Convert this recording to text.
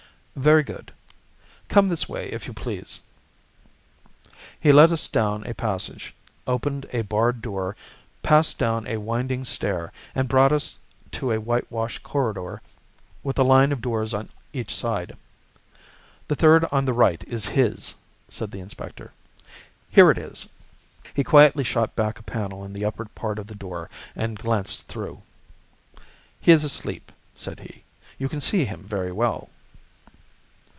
"Very good. Come this way, if you please." He led us down a passage, opened a barred door, passed down a winding stair, and brought us to a whitewashed corridor with a line of doors on each side. "The third on the right is his," said the inspector. "Here it is!" He quietly shot back a panel in the upper part of the door and glanced through. "He is asleep," said he. "You can see him very well."